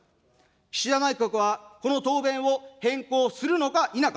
岸田内閣はこの答弁を変更するのか否か。